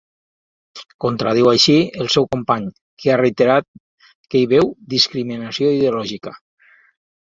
Contradiu així el seu company, que ha reiterat que hi veu discriminació ideològica.